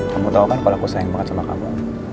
kamu tau kan kalau aku sayang banget sama kamu